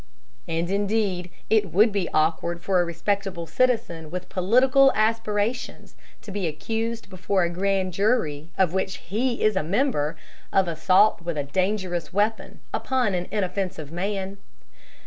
And indeed it would be awkward for a respectable citizen with political aspirations to be accused before a grand jury of which he is a member of assault with a dangerous weapon upon an inoffensive man.